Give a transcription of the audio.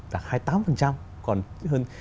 là hai mươi tám còn hơn